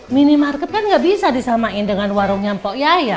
minimarket kan nggak bisa disamain dengan warungnya mpok yaya